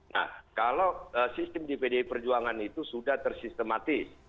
nah kalau sistem di pdi perjuangan itu sudah tersistematis